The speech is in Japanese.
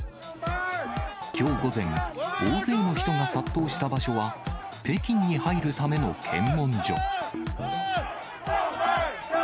きょう午前、大勢の人が殺到した場所は、北京に入るための検問所。